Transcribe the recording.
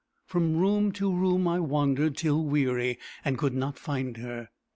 From room to room I wandered till weary, and could not find her.